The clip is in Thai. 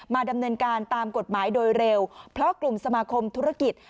ดำเนินการตามกฎหมายโดยเร็วเพราะกลุ่มสมาคมธุรกิจ